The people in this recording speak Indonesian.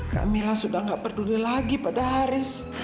kamilah sudah tidak peduli lagi pada haris